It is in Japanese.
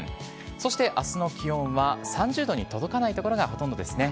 そして、あすの気温は３０度に届かない所がほとんどですね。